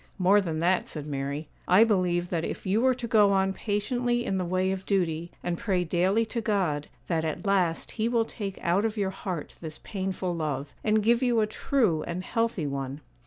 'More than that,' said Mary; 'I believe that if you were to go on patiently in the way of duty, and pray daily to God, that at last He will take out of your heart this painful love, and give you a true and healthy one.